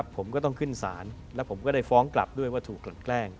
ผมก็ต้องขึ้นศาลแล้วผมก็ได้ฟ้องกลับด้วยว่าถูกกลั่นแกล้ง